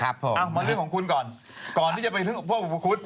เอามาเรื่องของคุณก่อนก่อนที่จะไปเรื่องพวกอุปคุฎ